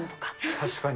確かに。